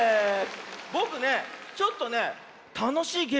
ぼくねちょっとねたのしいゲームをおもいついたんだよ。